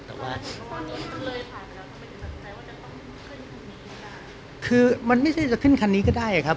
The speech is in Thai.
แต่ว่าคือมันไม่ใช่จะขึ้นคันนี้ก็ได้ครับ